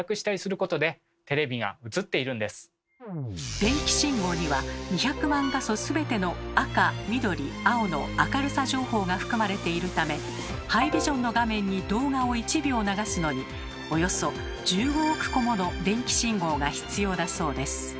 電気信号には２００万画素全ての赤緑青の明るさ情報が含まれているためハイビジョンの画面に動画を１秒流すのにおよそ１５億個もの電気信号が必要だそうです。